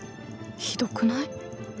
ひどくない？